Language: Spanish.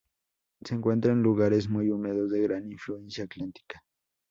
Se encuentra en lugares muy húmedos de gran influencia atlántica.